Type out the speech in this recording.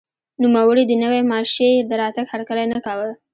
نوموړي د نوې ماشیۍ د راتګ هرکلی نه کاوه.